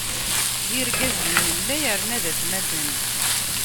D irgazen i nella, yerna d atmaten.